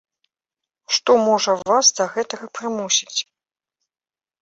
Што можа вас да гэтага прымусіць?